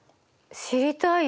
知りたい？